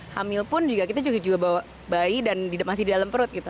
hamil pun kita juga bawa bayi dan masih di dalam perut gitu